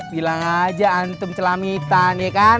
bilang aja antum celamitan ya kan